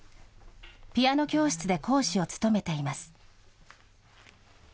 ピアノ教室で講師を務めています。